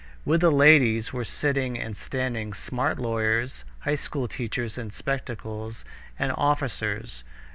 With the ladies were sitting and standing smart lawyers, high school teachers in spectacles, and officers.